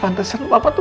pantesan papa tuh